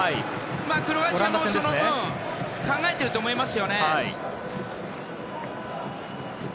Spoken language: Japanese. クロアチアもその分考えていると思います。